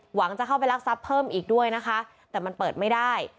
หวังจะเข้าไปรักทรัพย์เพิ่มอีกด้วยนะคะแต่มันเปิดไม่ได้